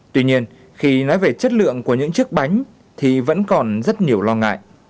tuy nhiên khi nói về chất lượng của những chiếc bánh thì vẫn còn rất nhiều lo ngại